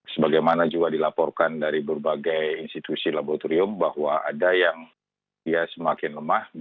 sebagaimana juga dilaporkan dari berbagai institusi laboratorium bahwa ada yang dia semakin lemah